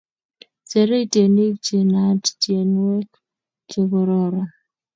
Serei tyenik che naat tyenwek che kororon